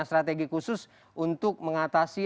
strategi khusus untuk mengatasi